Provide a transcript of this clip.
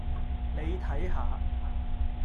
你睇吓